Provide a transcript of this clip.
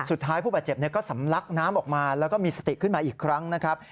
ผู้บาดเจ็บก็สำลักน้ำออกมาแล้วก็มีสติขึ้นมาอีกครั้งนะครับ